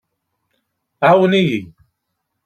Ɛawnen-iyi.